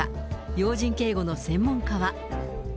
要人警護の専門家は。